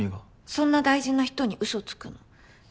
そんな大事な人にうそつくの。